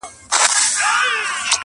چي بې وزره دي قدم ته درختلی یمه!